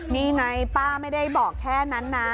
นี่ไงป้าไม่ได้บอกแค่นั้นนะ